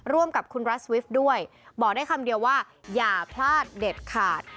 ร่วมกับคุณรัสวิฟต์ด้วยบอกได้คำเดียวว่าอย่าพลาดเด็ดขาด